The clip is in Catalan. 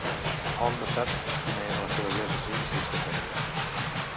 Hom no sap quina era la seva diòcesi, si és que en tenia.